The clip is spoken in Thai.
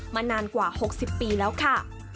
นานกว่า๖๐ปีแล้วค่ะ